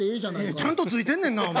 ちゃんと付いてんねんなお前。